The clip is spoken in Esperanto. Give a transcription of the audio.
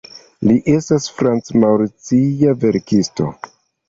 Li estas franc-maŭricia verkisto.